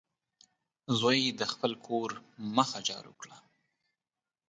زوی د خپل کور مخه جارو کړه.